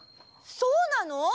そうなの！？